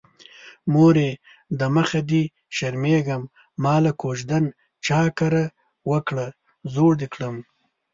مورې د مخه دې شرمېږم ماله کوژدن چا کره وکړه زوړ دې کړمه